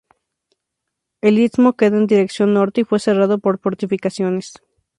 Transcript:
El istmo queda en dirección norte y fue cerrado por fortificaciones.